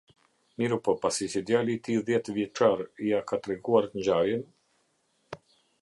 Mirëpo pasi që djali i tij dhjetëvjeçar ia ka treguar ngjarjen.